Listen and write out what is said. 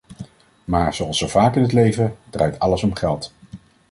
Maar zoals zo vaak in het leven, draait alles om geld.